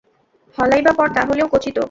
হলাইবা পর-তা হলেও কচি তো?